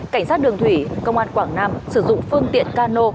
cảnh sát đường thủy công an quảng nam sử dụng phương tiện cano